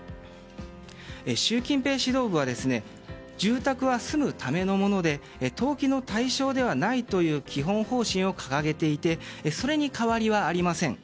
習近平指導部は住宅は住むためのもので投機の対象ではないという基本方針を掲げていてそれに変わりはありません。